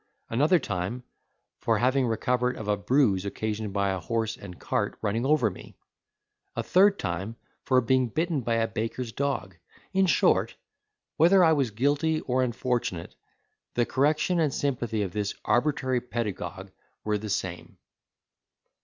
Another time, for having recovered of a bruise occasioned by a horse and cart running over me. A third time, for being bitten by a baker's dog. In short, whether I was guilty or unfortunate, the correction and sympathy of this arbitrary pedagogue were the same.